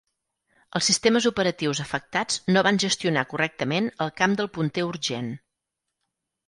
Els sistemes operatius afectats no van gestionar correctament el camp del punter urgent.